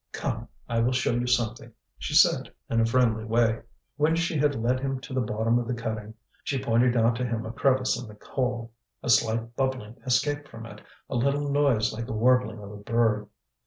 "Come, I will show you something," she said, in a friendly way. When she had led him to the bottom of the cutting, she pointed out to him a crevice in the coal. A slight bubbling escaped from it, a little noise like the warbling of a bird.